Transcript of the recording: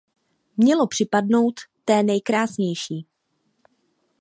Mělo připadnout „té nejkrásnější“.